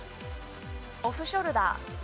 オフショルダー。